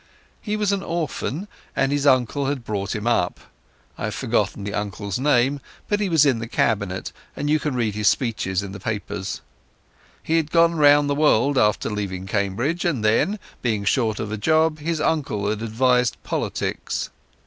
He was an orphan, and his uncle had brought him up—I've forgotten the uncle's name, but he was in the Cabinet, and you can read his speeches in the papers. He had gone round the world after leaving Cambridge, and then, being short of a job, his uncle had advised politics.